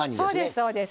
そうです